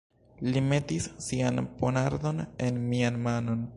Li metis sian ponardon en mian manon.